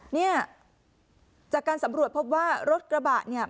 เนี่ยจากการสำรวจพบว่ารถกระบะเนี่ย